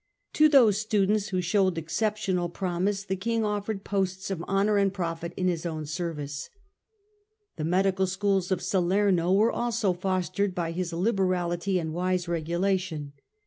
To those students who showed exceptional promise the King offered posts of honour and profit in his own service. The medical schools of Salerno were also fostered by his liberality and wise regulation.